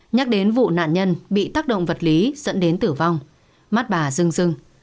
nhắc đến vụ nạn nhân bị tác động vật lý dẫn đến tử vong mắt bà rưng dưng